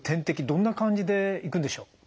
どんな感じでいくんでしょう？